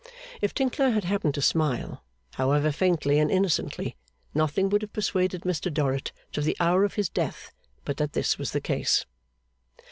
If Tinkler had happened to smile, however faintly and innocently, nothing would have persuaded Mr Dorrit, to the hour of his death, but that this was the case.